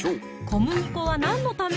小麦粉は何のため？